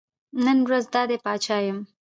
نن ورځ دا دی پاچا یم.